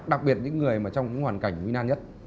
đặc biệt những người mà trong hoàn cảnh nguy nan nhất